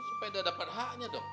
supaya dia dapat haknya dong